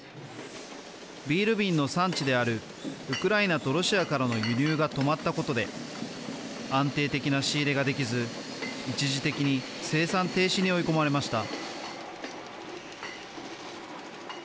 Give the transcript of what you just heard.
ビール瓶の産地であるウクライナとロシアからの輸入が止まったことで安定的な仕入れができず一時的に生産停止に追い込まれました。